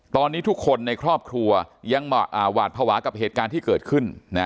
ตอนนี้ทุกคนในครอบครัวยังหวาดภาวะกับเหตุการณ์ที่เกิดขึ้น